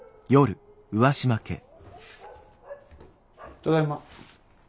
ただいま。